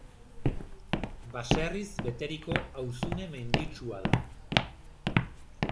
Baserriz beteriko auzune menditsua da.